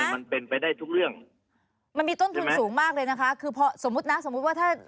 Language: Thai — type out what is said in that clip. มันมีต้นทุนสูงมากเลยนะคะคือสมมุตินะสมมุติว่าถ้า